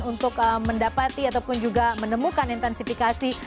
untuk mendapati ataupun juga menemukan intensifikasi